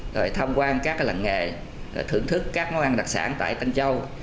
rồi tham quan các làng nghề thưởng thức các món ăn đặc sản tại tân châu